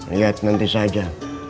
lihat nanti saja